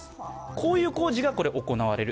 こういう工事が行われる。